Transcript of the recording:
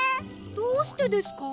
どうしてですか？